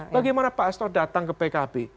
bagaimana pak asto datang ke pkb